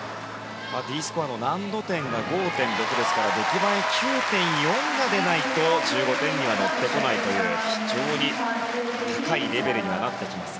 Ｄスコアの難度点が５．６ですから出来栄えは９．４がないと１５点には乗ってこないという非常に高いレベルにはなってきます。